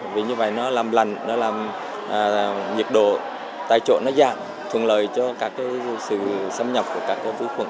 vì như vậy nó làm lạnh nó làm nhiệt độ tại chỗ nó giảm thuận lợi cho các cái sự xâm nhập của các cái vi khuẩn